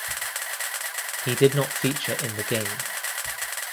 He did not feature in the game.